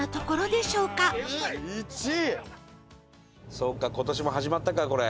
そうか今年も始まったかこれ。